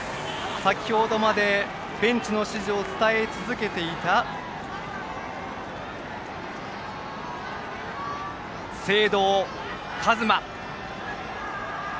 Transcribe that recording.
先程までベンチの指示を伝え続けていた清藤和真。